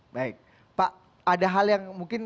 baik pak ada hal yang mungkin